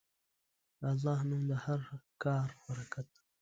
د الله نوم د هر کار برکت دی.